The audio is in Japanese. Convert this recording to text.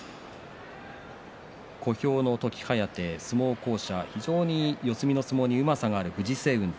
小兵の時疾風、相撲巧者非常に四つ身の相撲にうまさがある藤青雲。